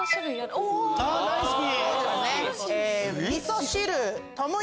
大好き！